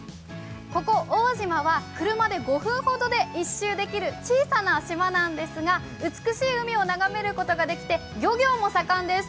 ここ奥武島は車で５分ほどで１周できる小さな島なんですが、美しい海を眺めることができて漁業も盛んです。